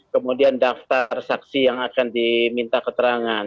kemudian daftar saksi yang akan diminta keterangan